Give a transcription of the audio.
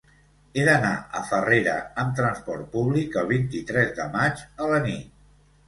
He d'anar a Farrera amb trasport públic el vint-i-tres de maig a la nit.